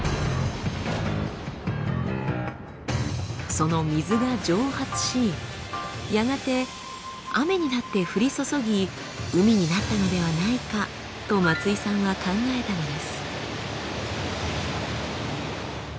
その水が蒸発しやがて雨になって降り注ぎ海になったのではないかと松井さんは考えたのです。